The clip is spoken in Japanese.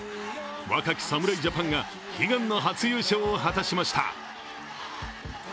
若き侍ジャパンが悲願の初優勝を果たしました